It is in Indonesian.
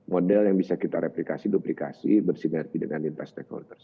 model yang bisa kita replikasi duplikasi bersinergi dengan lintas stakeholders